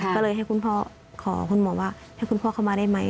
ก็เลยให้คุณพ่อขอคุณหมอว่าให้คุณพ่อเข้ามาได้ไหม